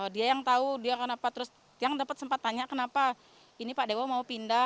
dia yang tahu dia kenapa terus yang dapat sempat tanya kenapa ini pak dewo mau pindah